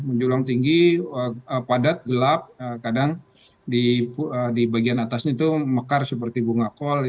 menjulang tinggi padat gelap kadang di bagian atasnya itu mekar seperti bunga kol